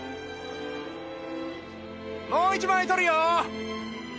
もう１枚撮るよ！